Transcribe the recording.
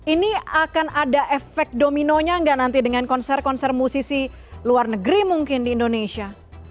ini akan ada efek dominonya nggak nanti dengan konser konser musisi luar negeri mungkin di indonesia